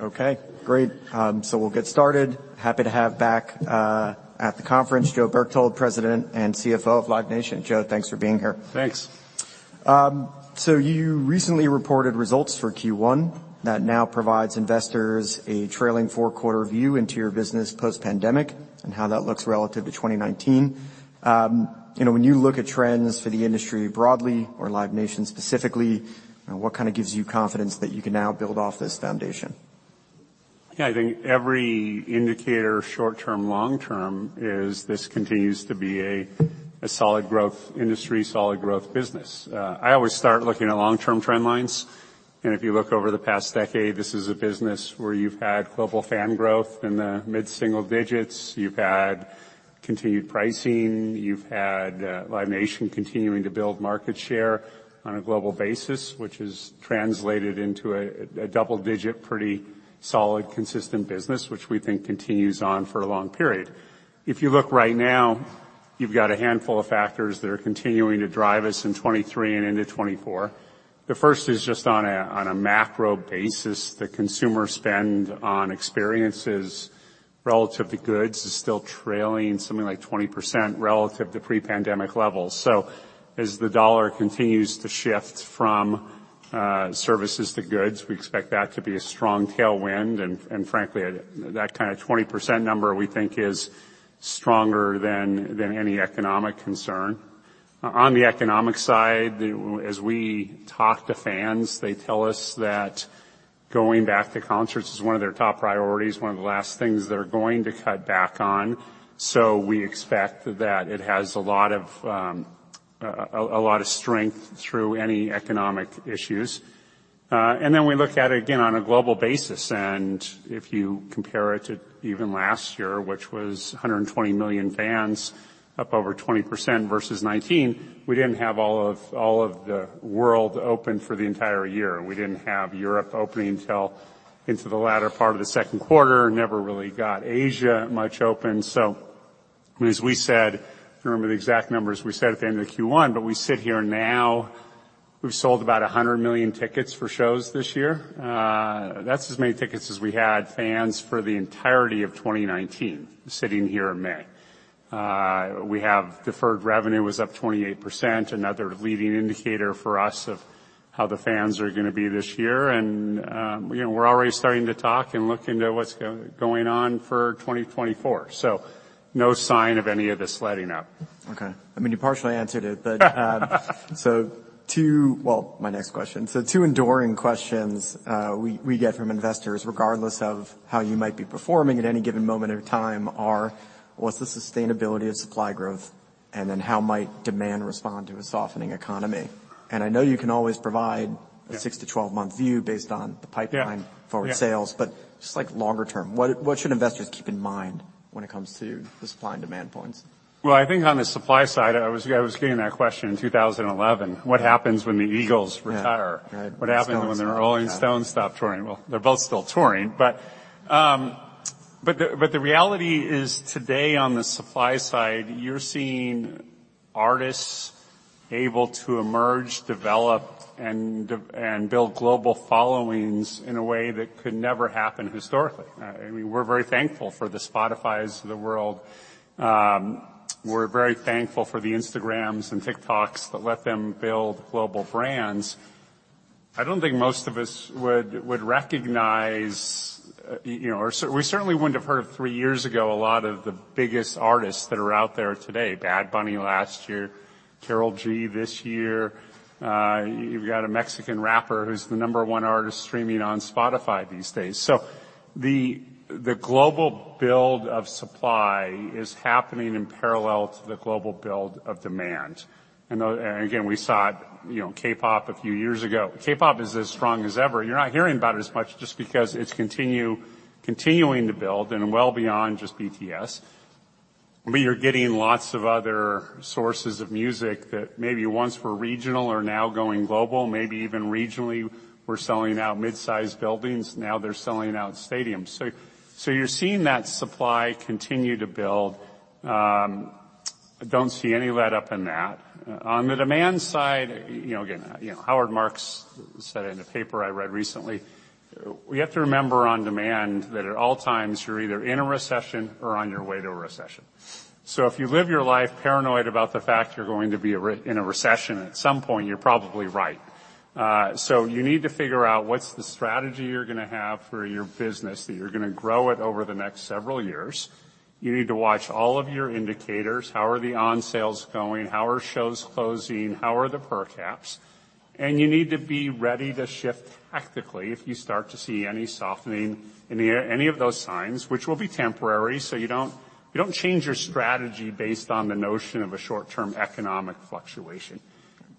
Okay, great. We'll get started. Happy to have back, at the conference, Joe Berchtold, President and CFO of Live Nation. Joe, thanks for being here. Thanks. You recently reported results for Q1 that now provides investors a trailing four-quarter view into your business post-pandemic and how that looks relative to 2019. You know, when you look at trends for the industry broadly or Live Nation specifically, what kinda gives you confidence that you can now build off this foundation? Yeah. I think every indicator, short-term, long-term, is this continues to be a solid growth industry, solid growth business. I always start looking at long-term trend lines. If you look over the past decade, this is a business where you've had global fan growth in the mid-single digits. You've had continued pricing. You've had Live Nation continuing to build market share on a global basis, which has translated into a double-digit, pretty solid, consistent business, which we think continues on for a long period. If you look right now, you've got a handful of factors that are continuing to drive us in 2023 and into 2024. The first is just on a macro basis, the consumer spend on experiences relative to goods is still trailing something like 20% relative to pre-pandemic levels. As the dollar continues to shift from services to goods, we expect that to be a strong tailwind, and frankly, that kind of 20% number, we think is stronger than any economic concern. On the economic side, as we talk to fans, they tell us that going back to concerts is one of their top priorities, one of the last things they're going to cut back on. We expect that it has a lot of strength through any economic issues. Then we look at it again on a global basis, and if you compare it to even last year, which was 120 million fans, up over 20% versus 2019, we didn't have all of the world open for the entire year. We didn't have Europe opening till into the latter part of the second quarter. Never really got Asia much open. As we said, I don't remember the exact numbers we said at the end of Q1, but we sit here now, we've sold about 100 million tickets for shows this year. That's as many tickets as we had fans for the entirety of 2019 sitting here in May. We have deferred revenue was up 28%, another leading indicator for us of how the fans are gonna be this year. You know, we're already starting to talk and look into what's going on for 2024. No sign of any of this letting up. Okay. I mean, you partially answered it. Well, my next question. Two enduring questions we get from investors, regardless of how you might be performing at any given moment in time are: What's the sustainability of supply growth? Then how might demand respond to a softening economy? I know you can always provide- Yeah. A six to 12 month view based on the pipeline Yeah. Forward sales. Yeah. Just like longer term, what should investors keep in mind when it comes to the supply and demand points? Well, I think on the supply side, I was getting that question in 2011. What happens when the Eagles retire? Yeah. Right. What happens when the Rolling Stones stop touring? Well, they're both still touring, but the reality is today on the supply side, you're seeing artists able to emerge, develop, and build global followings in a way that could never happen historically. I mean, we're very thankful for the Spotifys of the world. We're very thankful for the Instagrams and TikToks that let them build global brands. I don't think most of us would recognize, you know... We certainly wouldn't have heard three years ago a lot of the biggest artists that are out there today. Bad Bunny last year, Karol G this year. You've got a Mexican rapper who's the number one artist streaming on Spotify these days. The global build of supply is happening in parallel to the global build of demand. You know, again, we saw it, you know, K-pop a few years ago. K-pop is as strong as ever. You're not hearing about it as much just because it's continuing to build and well beyond just BTS. You're getting lots of other sources of music that maybe once were regional are now going global. Maybe even regionally were selling out mid-sized buildings, now they're selling out stadiums. You're seeing that supply continue to build. I don't see any letup in that. On the demand side, you know, again, you know, Howard Marks said in a paper I read recently, "We have to remember on demand that at all times you're either in a recession or on your way to a recession." If you live your life paranoid about the fact you're going to be in a recession, at some point, you're probably right. You need to figure out what's the strategy you're gonna have for your business, that you're gonna grow it over the next several years. You need to watch all of your indicators. How are the on sales going? How are shows closing? How are the per caps? You need to be ready to shift tactically if you start to see any softening in any of those signs, which will be temporary. You don't change your strategy based on the notion of a short-term economic fluctuation.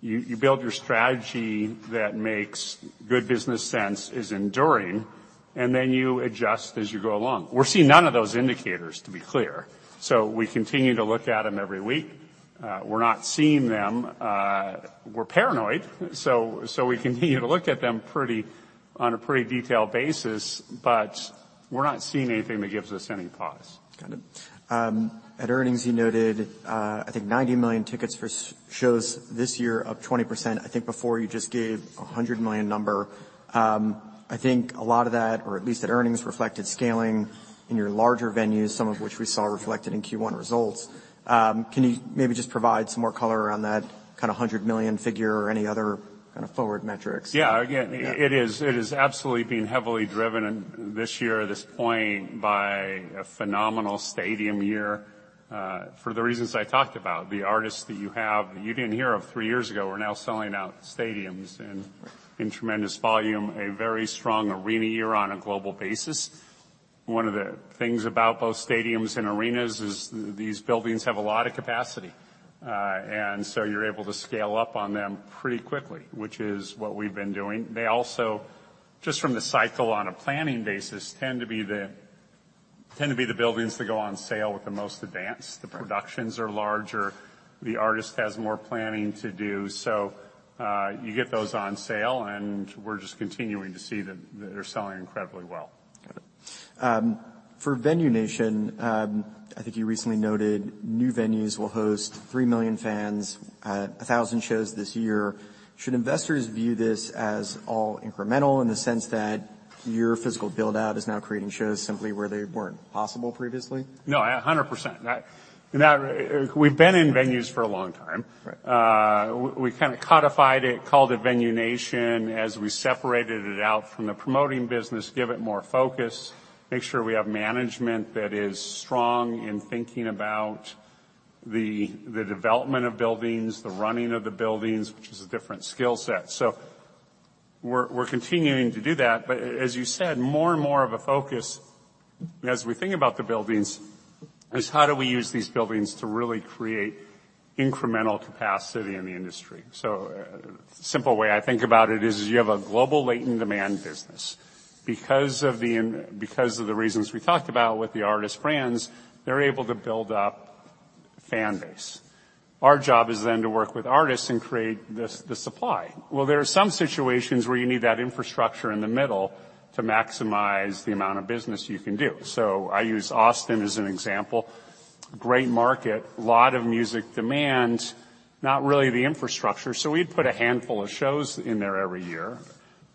You build your strategy that makes good business sense, is enduring, and then you adjust as you go along. We're seeing none of those indicators, to be clear. We continue to look at them every week. We're not seeing them. We're paranoid, so we continue to look at them on a pretty detailed basis. We're not seeing anything that gives us any pause. Got it. At earnings, you noted, I think 90 million tickets for shows this year, up 20%. I think before, you just gave a 100 million number. I think a lot of that, or at least at earnings, reflected scaling in your larger venues, some of which we saw reflected in Q1 results. Can you maybe just provide some more color around that kinda 100 million figure or any other kinda forward metrics? Yeah. Again. Yeah. It is absolutely being heavily driven in this year at this point by a phenomenal stadium year, for the reasons I talked about. The artists that you have that you didn't hear of three years ago are now selling out stadiums and in tremendous volume, a very strong arena year on a global basis. One of the things about both stadiums and arenas is these buildings have a lot of capacity. You're able to scale up on them pretty quickly, which is what we've been doing. They also, just from the cycle on a planning basis, tend to be the buildings that go on sale with the most advance. The productions are larger. The artist has more planning to do. You get those on sale, and we're just continuing to see that they're selling incredibly well. Got it. For Venue Nation, I think you recently noted new venues will host three million fans at 1,000 shows this year. Should investors view this as all incremental in the sense that your physical build-out is now creating shows simply where they weren't possible previously? No, 100%. We've been in venues for a long time. Right. We kinda codified it, called it Venue Nation, as we separated it out from the promoting business, give it more focus, make sure we have management that is strong in thinking about the development of buildings, the running of the buildings, which is a different skill set. We're continuing to do that. As you said, more and more of a focus as we think about the buildings is how do we use these buildings to really create incremental capacity in the industry. Simple way I think about it is you have a global latent demand business. Because of the reasons we talked about with the artist brands, they're able to build up fan base. Our job is then to work with artists and create the supply. There are some situations where you need that infrastructure in the middle to maximize the amount of business you can do. I use Austin as an example. Great market, lot of music demand, not really the infrastructure. We'd put a handful of shows in there every year.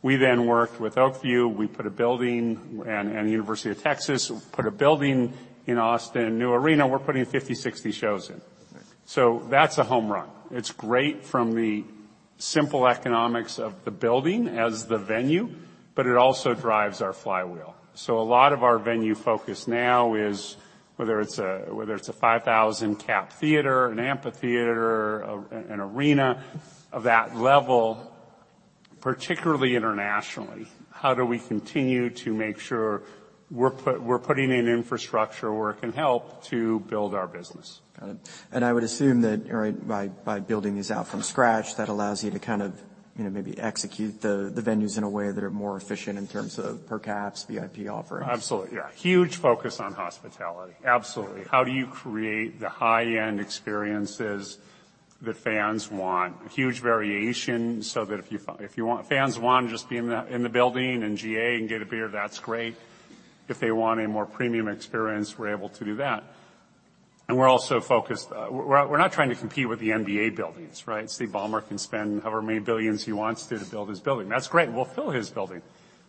We worked with Oak View. We put a building and University of Texas. We put a building in Austin, new arena. We're putting 50, 60 shows in. Right. That's a home run. It's great from the simple economics of the building as the venue, but it also drives our flywheel. A lot of our venue focus now is whether it's a, whether it's a 5,000 cap theater, an amphitheater, an arena of that level, particularly internationally, how do we continue to make sure we're putting in infrastructure where it can help to build our business. Got it. I would assume that, right, by building these out from scratch, that allows you to kind of, you know, maybe execute the venues in a way that are more efficient in terms of per caps, VIP offerings. Absolutely. Yeah. Huge focus on hospitality. Absolutely. How do you create the high-end experiences that fans want? Huge variation so that if you want fans want to just be in the, in the building in GA and get a beer, that's great. If they want a more premium experience, we're able to do that. We're also focused. We're not trying to compete with the NBA buildings, right? Steve Ballmer can spend however many billions he wants to build his building. That's great. We'll fill his building.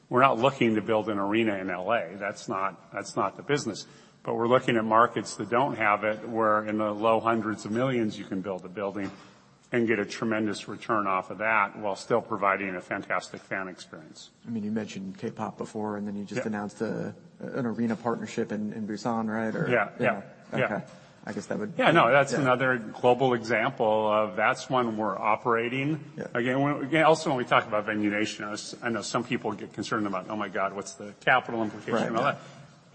We're not looking to build an arena in L.A. That's not the business. We're looking at markets that don't have it, where in the low hundreds of millions you can build a building and get a tremendous return off of that while still providing a fantastic fan experience. I mean, you mentioned K-pop before. Yeah. You just announced an arena partnership in Busan, right? Yeah. Yeah. Yeah. Okay. I guess that. Yeah, no, that's another global example of that's one we're operating. Yeah. Again, Also, when we talk about Venue Nation, I know some people get concerned about, "Oh my god, what's the capital implication of that? Right.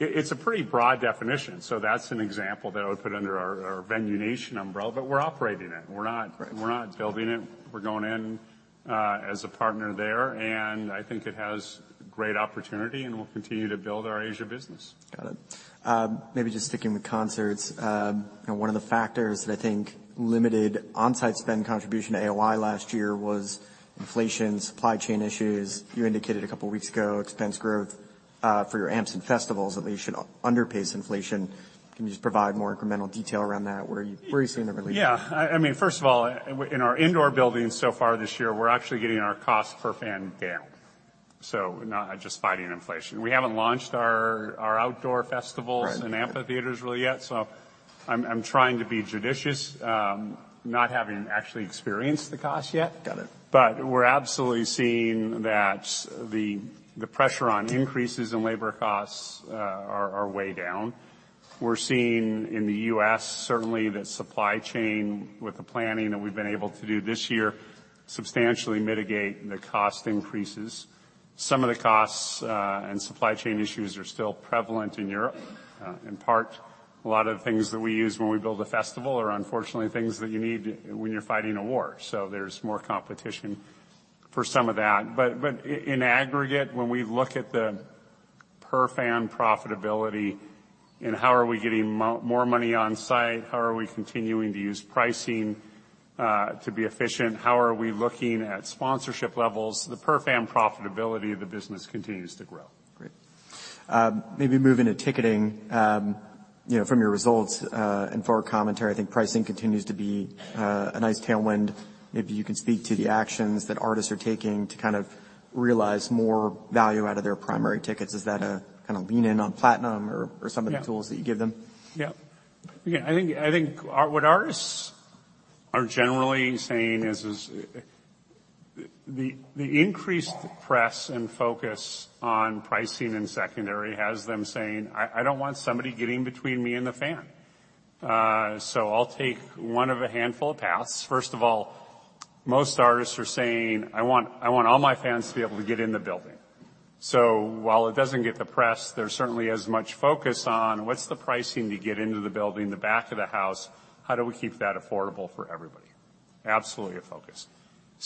It's a pretty broad definition. That's an example that I would put under our Venue Nation umbrella, but we're operating it. We're not. Right. We're not building it. We're going in, as a partner there, and I think it has great opportunity, and we'll continue to build our Asia business. Got it. Maybe just sticking with concerts. You know, one of the factors that I think limited on-site spend contribution to AOI last year was inflation, supply chain issues. You indicated a couple weeks ago expense growth for your amps and festivals, at least should underpace inflation. Can you just provide more incremental detail around that? Where are you, where are you seeing the relief? I mean, first of all, in our indoor buildings so far this year, we're actually getting our cost per fan down, so not just fighting inflation. We haven't launched our outdoor festivals- Right. Amphitheaters really yet. I'm trying to be judicious, not having actually experienced the cost yet. Got it. We're absolutely seeing that the pressure on increases in labor costs are way down. We're seeing in the U.S. certainly that supply chain with the planning that we've been able to do this year substantially mitigate the cost increases. Some of the costs and supply chain issues are still prevalent in Europe. In part, a lot of the things that we use when we build a festival are unfortunately things that you need when you're fighting a war. There's more competition for some of that. In aggregate, when we look at the per fan profitability and how are we getting more money on site, how are we continuing to use pricing to be efficient, how are we looking at sponsorship levels? The per fan profitability of the business continues to grow. Great. Maybe moving to ticketing, you know, from your results, and forward commentary, I think pricing continues to be a nice tailwind. Maybe you can speak to the actions that artists are taking to kind of realize more value out of their primary tickets. Is that a kinda lean in on Platinum? Yeah. Of the tools that you give them? Again, I think What artists are generally saying is, the increased press and focus on pricing and secondary has them saying, "I don't want somebody getting between me and the fan. I'll take one of a handful of paths." First of all, most artists are saying, "I want all my fans to be able to get in the building." While it doesn't get the press, there certainly is much focus on what's the pricing to get into the building, the back of the house, how do we keep that affordable for everybody? Absolutely a focus.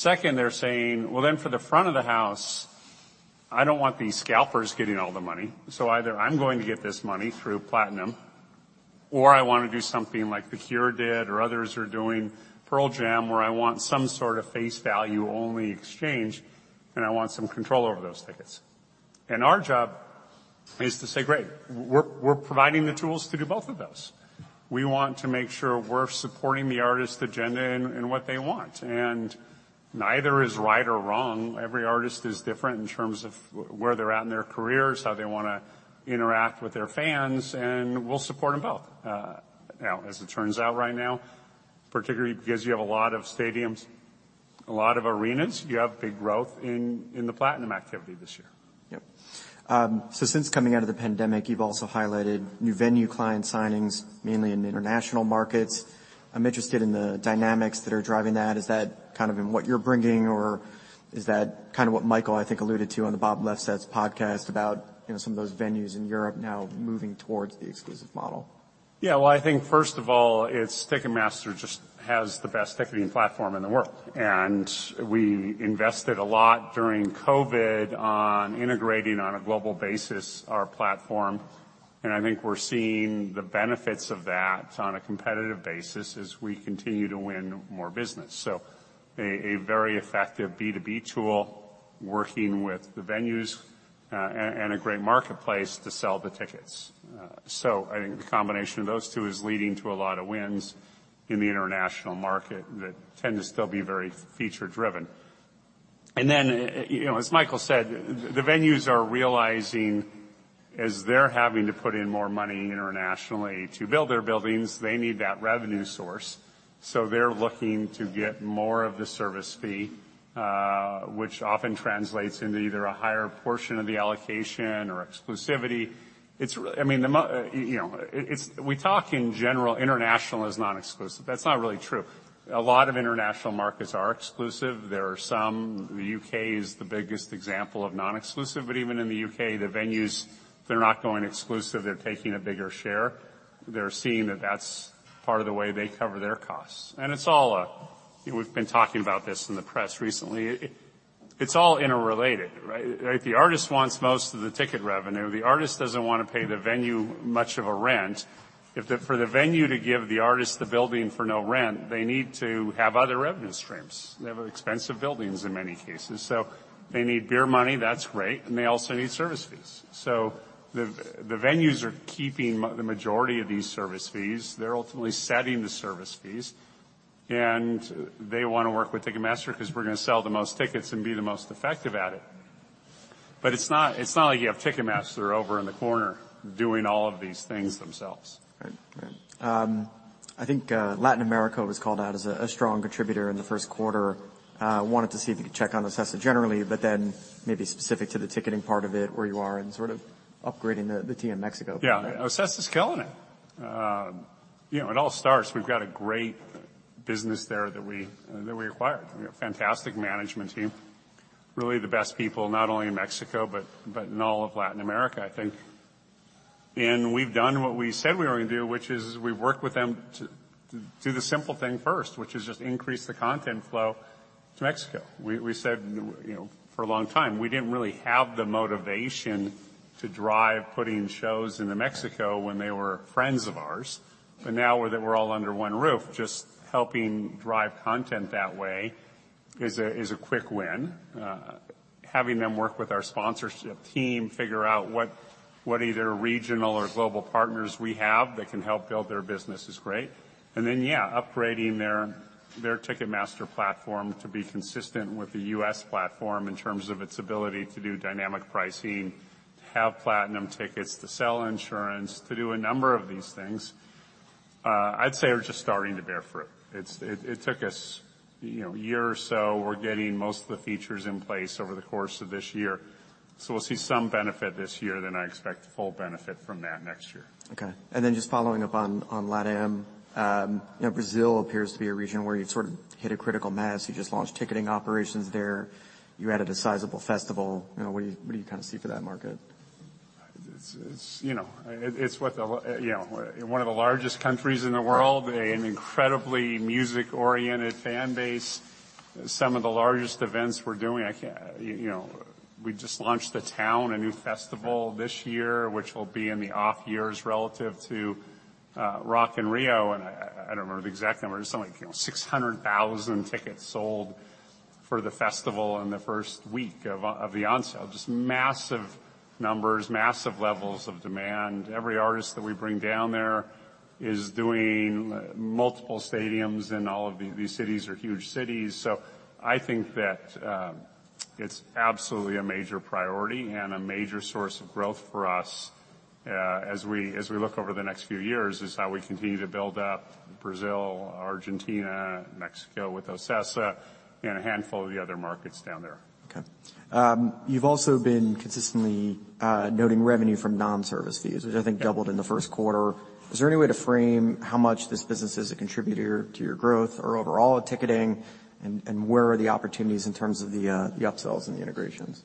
They're saying, "Well, for the front of the house, I don't want these scalpers getting all the money, so either I'm going to get this money through Platinum, or I wanna do something like The Cure did or others are doing, Pearl Jam, where I want some sort of face value only exchange, and I want some control over those tickets." Our job is to say, "Great." We're providing the tools to do both of those. We want to make sure we're supporting the artist's agenda and what they want, and neither is right or wrong. Every artist is different in terms of where they're at in their careers, how they wanna interact with their fans, and we'll support them both. Now, as it turns out right now, particularly because you have a lot of stadiums, a lot of arenas, you have big growth in the Platinum activity this year. Yep. Since coming out of the pandemic, you've also highlighted new venue client signings, mainly in the international markets. I'm interested in the dynamics that are driving that. Is that kind of in what you're bringing, or is that kind of what Michael, I think, alluded to on the Bob Lefsetz podcast about, you know, some of those venues in Europe now moving towards the exclusive model? I think first of all, it's Ticketmaster just has the best ticketing platform in the world. We invested a lot during COVID on integrating on a global basis our platform, and I think we're seeing the benefits of that on a competitive basis as we continue to win more business. A very effective B2B tool working with the venues, and a great marketplace to sell the tickets. I think the combination of those two is leading to a lot of wins in the international market that tend to still be very feature-driven. You know, as Michael said, the venues are realizing as they're having to put in more money internationally to build their buildings, they need that revenue source. They're looking to get more of the service fee, which often translates into either a higher portion of the allocation or exclusivity. I mean, you know, we talk in general, international as non-exclusive. That's not really true. A lot of international markets are exclusive. There are some, the U.K. is the biggest example of non-exclusive, but even in the U.K., the venues, they're not going exclusive. They're taking a bigger share. They're seeing that that's part of the way they cover their costs. It's all, you know, we've been talking about this in the press recently. It's all interrelated, right? If the artist wants most of the ticket revenue, the artist doesn't wanna pay the venue much of a rent. If for the venue to give the artist the building for no rent, they need to have other revenue streams. They have expensive buildings in many cases, so they need beer money. That's great, and they also need service fees. The venues are keeping the majority of these service fees. They're ultimately setting the service fees, and they wanna work with Ticketmaster 'cause we're gonna sell the most tickets and be the most effective at it. It's not like you have Ticketmaster over in the corner doing all of these things themselves. Right. Right. I think Latin America was called out as a strong contributor in the first quarter. Wanted to see if you could check on OCESA generally, maybe specific to the ticketing part of it, where you are in sort of upgrading the team in Mexico. Yeah. OCESA's killing it. You know, it all starts, we've got a great business there that we acquired. We got a fantastic management team. Really the best people, not only in Mexico, but in all of Latin America, I think. We've done what we said we were gonna do, which is we've worked with them to do the simple thing first, which is just increase the content flow to Mexico. We said, you know, for a long time, we didn't really have the motivation to drive putting shows into Mexico when they were friends of ours. Now that we're all under one roof, just helping drive content that way is a quick win. Having them work with our sponsorship team, figure out what either regional or global partners we have that can help build their business is great. Yeah, upgrading their Ticketmaster platform to be consistent with the U.S. platform in terms of its ability to do dynamic pricing, have Platinum tickets, to sell insurance, to do a number of these things, I'd say are just starting to bear fruit. It took us, you know, a year or so. We're getting most of the features in place over the course of this year. We'll see some benefit this year. I expect full benefit from that next year. Okay. Just following up on LATAM. You know, Brazil appears to be a region where you've sort of hit a critical mass. You just launched ticketing operations there. You added a sizable festival. You know, what do you kinda see for that market? It's, you know, it's what the, you know, one of the largest countries in the world, an incredibly music-oriented fan base. Some of the largest events we're doing, I can't, you know. We just launched The Town, a new festival this year, which will be in the off years relative to Rock in Rio. I don't remember the exact number. Something like, you know, 600,000 tickets sold for the festival in the first week of the on sale. Just massive numbers, massive levels of demand. Every artist that we bring down there is doing multiple stadiums, and all of these cities are huge cities. I think that, it's absolutely a major priority and a major source of growth for us, as we look over the next few years, is how we continue to build up Brazil, Argentina, Mexico with OCESA, and a handful of the other markets down there. Okay. You've also been consistently noting revenue from non-service fees- Yep Which I think doubled in the first quarter. Is there any way to frame how much this business is a contributor to your growth or overall ticketing? Where are the opportunities in terms of the upsells and the integrations?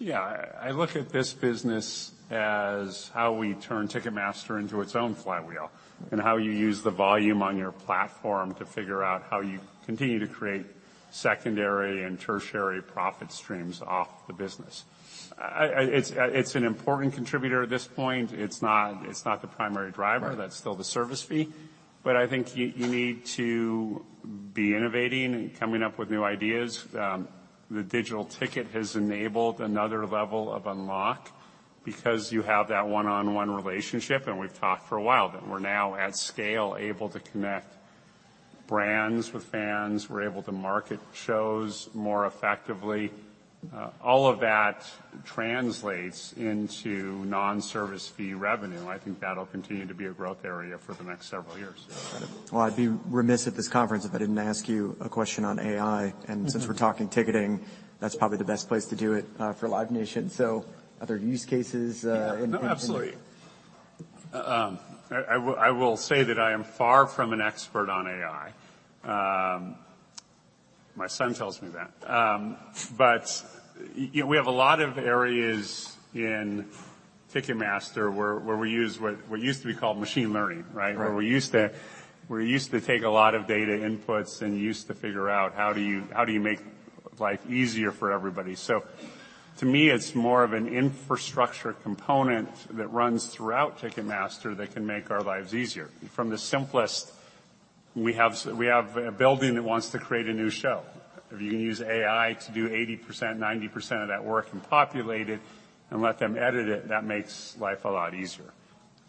Yeah. I look at this business as how we turn Ticketmaster into its own flywheel and how you use the volume on your platform to figure out how you continue to create secondary and tertiary profit streams off the business. It's an important contributor at this point. It's not the primary driver. Right. That's still the service fee. I think you need to be innovating and coming up with new ideas. The digital ticket has enabled another level of unlock because you have that one-on-one relationship, and we've talked for a while, that we're now at scale, able to connect brands with fans. We're able to market shows more effectively. All of that translates into non-service fee revenue. I think that'll continue to be a growth area for the next several years. Well, I'd be remiss at this conference if I didn't ask you a question on AI. Since we're talking ticketing, that's probably the best place to do it for Live Nation. Are there use cases Yeah. No, absolutely. I will say that I am far from an expert on AI. My son tells me that. We have a lot of areas in Ticketmaster where we use what used to be called machine learning, right? Right. Where we used to take a lot of data inputs and use to figure out how do you make life easier for everybody. To me, it's more of an infrastructure component that runs throughout Ticketmaster that can make our lives easier. From the simplest, we have a building that wants to create a new show. If you can use AI to do 80%, 90% of that work and populate it and let them edit it, that makes life a lot easier.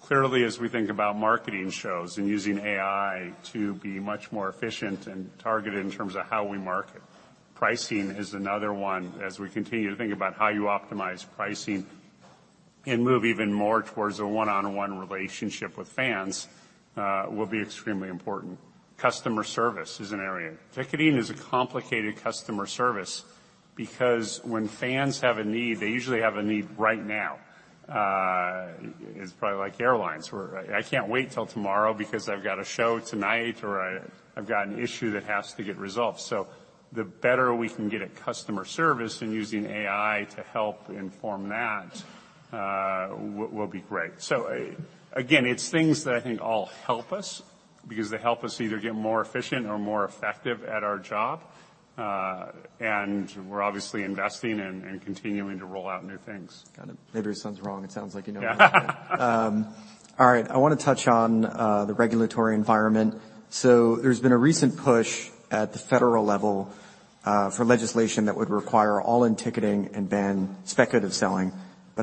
Clearly, as we think about marketing shows and using AI to be much more efficient and targeted in terms of how we market. Pricing is another one. As we continue to think about how you optimize pricing and move even more towards a one-on-one relationship with fans, will be extremely important. Customer service is an area. Ticketing is a complicated customer service because when fans have a need, they usually have a need right now. It's probably like airlines where I can't wait till tomorrow because I've got a show tonight or I've got an issue that has to get resolved. The better we can get at customer service and using AI to help inform that will be great. Again, it's things that I think all help us because they help us either get more efficient or more effective at our job. We're obviously investing and continuing to roll out new things. Got it. Maybe it sounds wrong. It sounds like you know. Yeah. All right, I wanna touch on the regulatory environment. There's been a recent push at the federal level for legislation that would require all-in ticketing and ban speculative selling.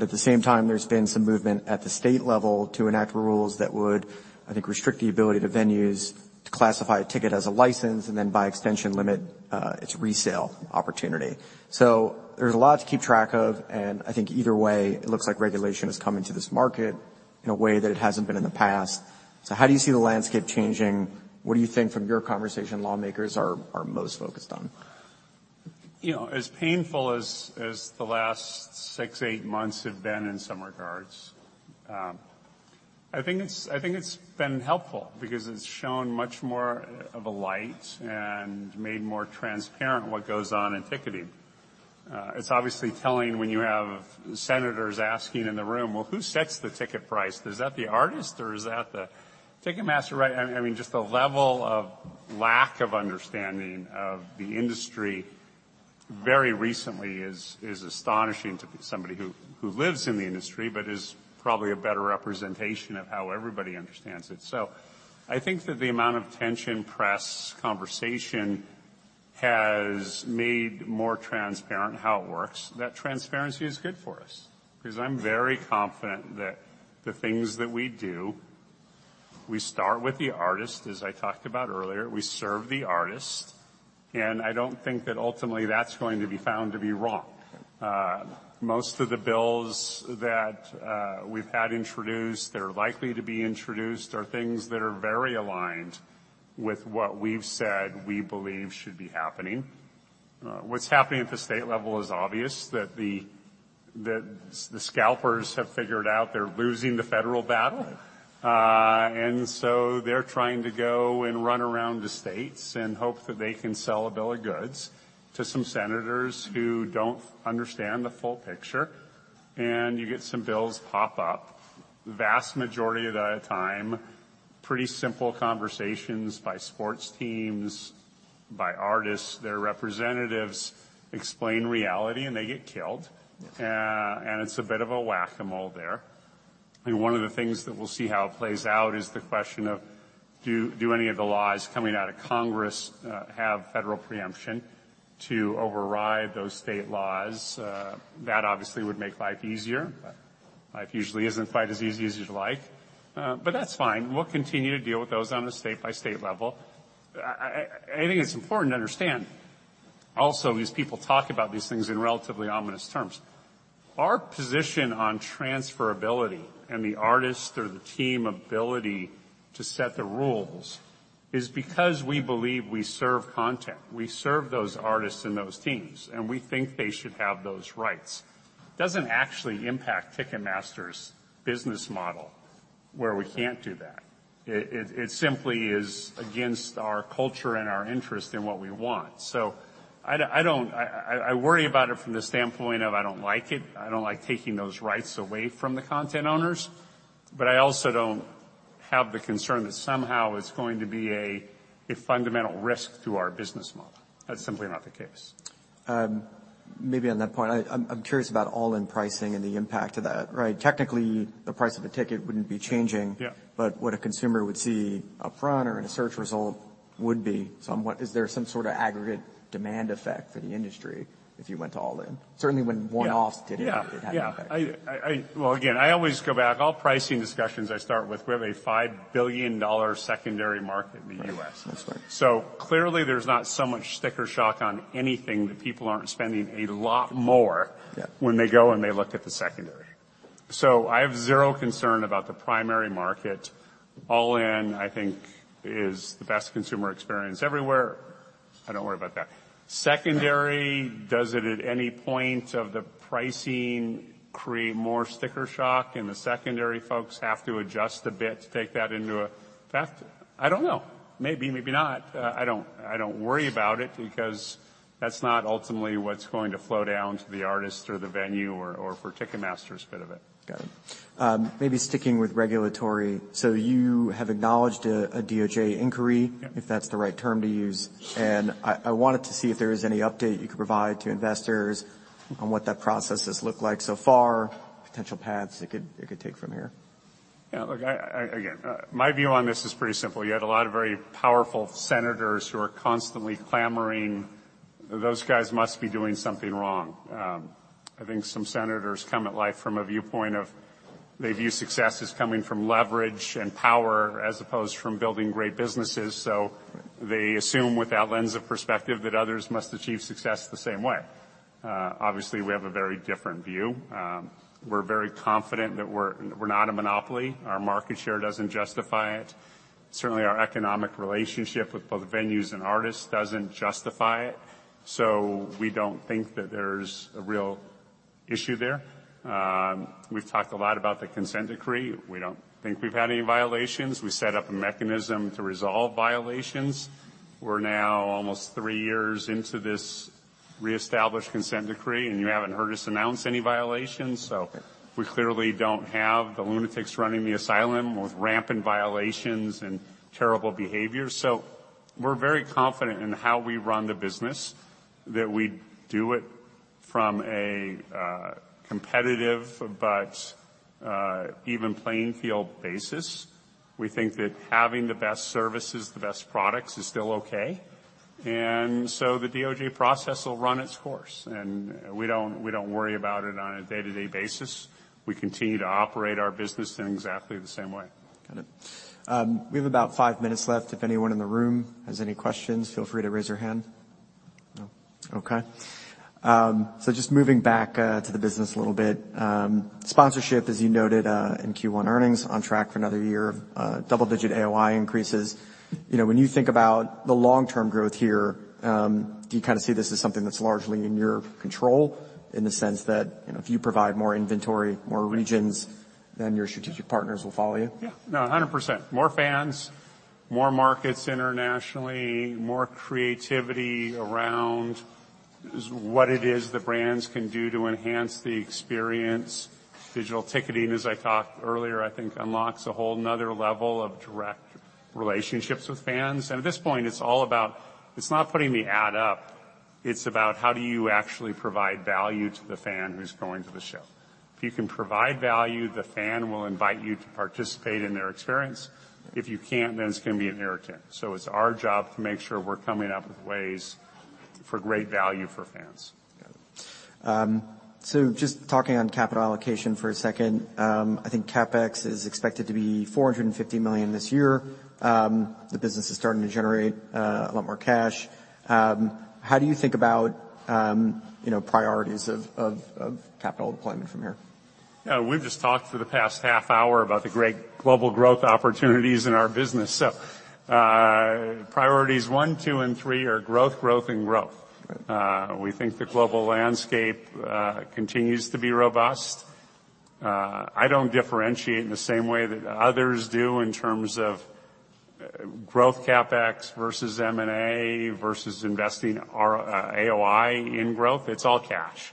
At the same time, there's been some movement at the state level to enact rules that would, I think, restrict the ability to venues to classify a ticket as a license and then by extension limit its resale opportunity. There's a lot to keep track of, and I think either way it looks like regulation is coming to this market in a way that it hasn't been in the past. How do you see the landscape changing? What do you think from your conversation lawmakers are most focused on? You know, as painful as the last six, eight months have been in some regards, I think it's been helpful because it's shown much more of a light and made more transparent what goes on in ticketing. It's obviously telling when you have senators asking in the room, "Well, who sets the ticket price? Is that the artist or is that the Ticketmaster?" Right? I mean, just the level of lack of understanding of the industry very recently is astonishing to somebody who lives in the industry but is probably a better representation of how everybody understands it. I think that the amount of tension, press, conversation has made more transparent how it works. That transparency is good for us 'cause I'm very confident that the things that we do, we start with the artist, as I talked about earlier, we serve the artist, and I don't think that ultimately that's going to be found to be wrong. Most of the bills that we've had introduced or likely to be introduced are things that are very aligned with what we've said we believe should be happening. What's happening at the state level is obvious that the scalpers have figured out they're losing the federal battle. They're trying to go and run around the states and hope that they can sell a bill of goods to some senators who don't understand the full picture, and you get some bills pop up. Vast majority of the time, pretty simple conversations by sports teams, by artists, their representatives explain reality, and they get killed. Yes. It's a bit of a whack-a-mole there. One of the things that we'll see how it plays out is the question of do any of the laws coming out of Congress have federal preemption to override those state laws? That obviously would make life easier. Right. Life usually isn't quite as easy as you'd like. That's fine. We'll continue to deal with those on a state-by-state level. I think it's important to understand also, as people talk about these things in relatively ominous terms, our position on transferability and the artist or the team ability to set the rules is because we believe we serve content. We serve those artists and those teams, and we think they should have those rights. It doesn't actually impact Ticketmaster's business model where we can't do that. It simply is against our culture and our interest in what we want. I don't... I worry about it from the standpoint of I don't like it. I don't like taking those rights away from the content owners. I also don't have the concern that somehow it's going to be a fundamental risk to our business model. That's simply not the case. Maybe on that point, I'm curious about all-in pricing and the impact of that, right? Technically, the price of a ticket wouldn't be changing... Yeah. What a consumer would see upfront or in a search result would be somewhat. Is there some sort of aggregate demand effect for the industry if you went to all-in? Yeah. ticketing, it had an impact. Yeah. Well, again, I always go back. All pricing discussions I start with, we have a $5 billion secondary market in the U.S. Right. That's right. Clearly, there's not so much sticker shock on anything that people aren't spending a lot more. Yeah. When they go, and they look at the secondary. I have zero concern about the primary market. All-in, I think, is the best consumer experience everywhere. I don't worry about that. Secondary, does it at any point of the pricing create more sticker shock, and the secondary folks have to adjust a bit to take that into effect? I don't know. Maybe, maybe not. I don't, I don't worry about it because that's not ultimately what's going to flow down to the artist or the venue or for Ticketmaster's bit of it. Got it. Maybe sticking with regulatory. You have acknowledged a DOJ inquiry. Yeah. If that's the right term to use. I wanted to see if there was any update you could provide to investors on what that process has looked like so far, potential paths it could take from here. Yeah. Look, I. Again, my view on this is pretty simple. You had a lot of very powerful senators who are constantly clamoring. Those guys must be doing something wrong. I think some senators come at life from a viewpoint of they view success as coming from leverage and power as opposed from building great businesses. Right. They assume with that lens of perspective that others must achieve success the same way. Obviously, we have a very different view. We're very confident that we're not a monopoly. Our market share doesn't justify it. Certainly, our economic relationship with both venues and artists doesn't justify it. We don't think that there's a real issue there. We've talked a lot about the consent decree. We don't think we've had any violations. We set up a mechanism to resolve violations. We're now almost three years into this reestablished consent decree. You haven't heard us announce any violations. Okay. We clearly don't have the lunatics running the asylum with rampant violations and terrible behavior. We're very confident in how we run the business, that we do it from a competitive but even playing field basis. We think that having the best services, the best products is still okay. The DOJ process will run its course, and we don't worry about it on a day-to-day basis. We continue to operate our business in exactly the same way. Got it. We have about five minutes left. If anyone in the room has any questions, feel free to raise your hand. No? Okay. Just moving back to the business a little bit. Sponsorship, as you noted, in Q1 earnings, on track for another year of double-digit AOI increases. You know, when you think about the long-term growth here, do you kinda see this as something that's largely in your control in the sense that, you know, if you provide more inventory, more regions, then your strategic partners will follow you? Yeah. No, 100%. More fans, more markets internationally, more creativity around what it is the brands can do to enhance the experience. Digital ticketing, as I talked earlier, I think unlocks a whole another level of direct relationships with fans. At this point, It's not putting the ad up, it's about how do you actually provide value to the fan who's going to the show. If you can provide value, the fan will invite you to participate in their experience. If you can't, it's gonna be an irritant. It's our job to make sure we're coming up with ways for great value for fans. Got it. Just talking on capital allocation for a second. I think CapEx is expected to be $450 million this year. The business is starting to generate a lot more cash. How do you think about, you know, priorities of capital deployment from here? Yeah. We've just talked for the past half hour about the great global growth opportunities in our business. Priorities one, two, and three are growth, and growth. Right. We think the global landscape continues to be robust. I don't differentiate in the same way that others do in terms of growth CapEx versus M&A versus investing our AOI in growth, it's all cash.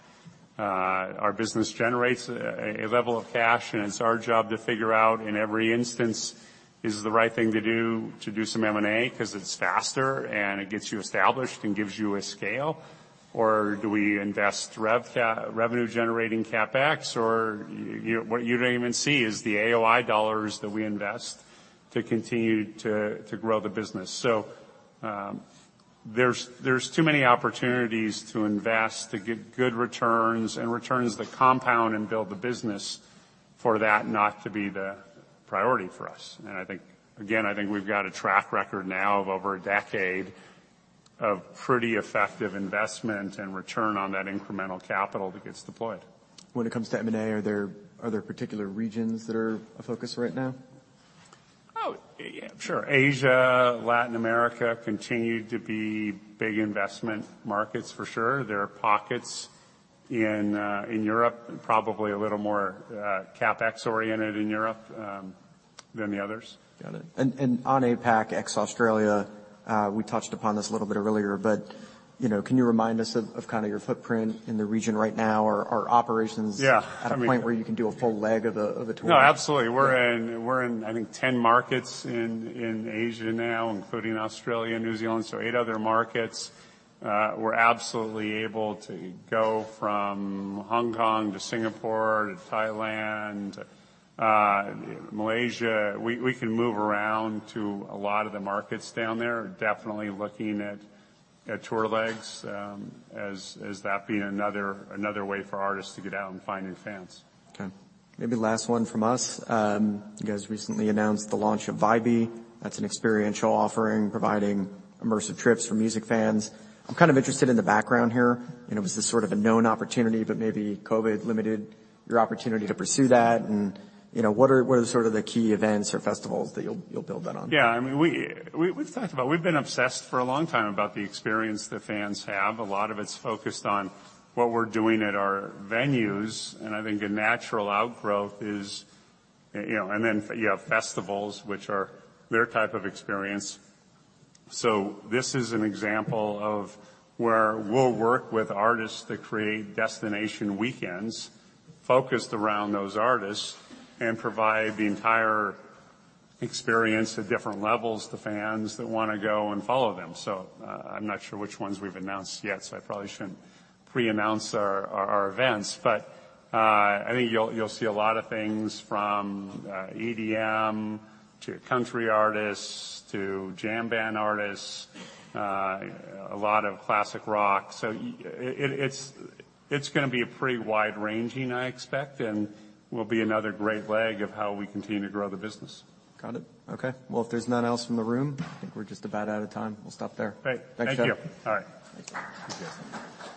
Our business generates a level of cash, and it's our job to figure out in every instance, is the right thing to do, to do some M&A 'cause it's faster and it gets you established and gives you a scale? Or do we invest revenue-generating CapEx or what you don't even see is the AOI dollars that we invest to continue to grow the business. There's too many opportunities to invest to get good returns and returns the compound and build the business for that not to be the priority for us. I think, again, I think we've got a track record now of over a decade of pretty effective investment and return on that incremental capital that gets deployed. When it comes to M&A, are there particular regions that are a focus right now? Yeah, sure. Asia, Latin America continue to be big investment markets for sure. There are pockets in Europe, probably a little more CapEx oriented in Europe than the others. Got it. On APAC X Australia, we touched upon this a little bit earlier, but, you know, can you remind us of kinda your footprint in the region right now? Operations- Yeah. I mean- At a point where you can do a full leg of the tour? No, absolutely. We're in, I think 10 markets in Asia now, including Australia and New Zealand, so eight other markets. We're absolutely able to go from Hong Kong to Singapore to Thailand, Malaysia. We can move around to a lot of the markets down there, definitely looking at tour legs, as that being another way for artists to get out and find new fans. Okay. Maybe last one from us. You guys recently announced the launch of Vibee. That's an experiential offering providing immersive trips for music fans. I'm kind of interested in the background here. You know, was this sort of a known opportunity, but maybe COVID limited your opportunity to pursue that and, you know, what are sort of the key events or festivals that you'll build that on? I mean, we've talked about it. We've been obsessed for a long time about the experience that fans have. A lot of it's focused on what we're doing at our venues, I think a natural outgrowth is, you know. You have festivals which are their type of experience. This is an example of where we'll work with artists to create destination weekends focused around those artists and provide the entire experience at different levels to fans that wanna go and follow them. I'm not sure which ones we've announced yet, so I probably shouldn't pre-announce our events. I think you'll see a lot of things from EDM to country artists to jam band artists, a lot of classic rock. It's gonna be a pretty wide ranging, I expect, and will be another great leg of how we continue to grow the business. Got it. Okay. Well, if there's none else from the room, I think we're just about out of time. We'll stop there. Great. Thanks, David. Thank you. All right. Thank you.